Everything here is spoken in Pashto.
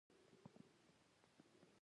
ښارونه د افغانستان د اقلیم یوه ځانګړتیا ده.